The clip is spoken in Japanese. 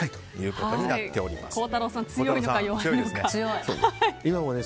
孝太郎さん、強いのか弱いのか。